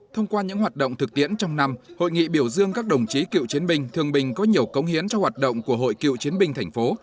thông qua những hoạt động thực tiễn trong năm hội nghị biểu dương các đồng chí cựu chiến binh thương binh có nhiều công hiến cho hoạt động của hội cựu chiến binh thành phố